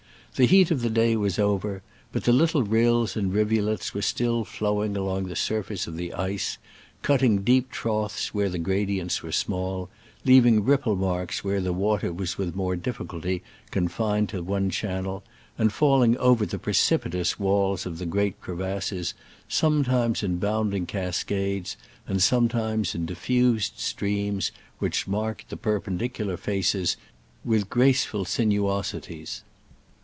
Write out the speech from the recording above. The heat of the day was over, but the little rills and rivulets were still flowing along the sur face of the ice ; cutting deep troughs where the gradients were small, leaving ripple marks where the water was with more difficulty confined to one channel, and falling over the precipitous walls of the great crevasses, sometimes in bound ing cascades, and sometimes in diffused streams, which marked the perpendicu lar faces with graceful sinuosities.